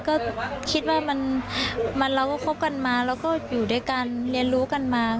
ก็คิดว่าเราก็คบกันมาเราก็อยู่ด้วยกันเรียนรู้กันมา